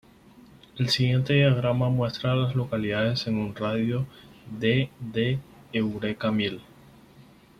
El siguiente diagrama muestra a las localidades en un radio de de Eureka Mill.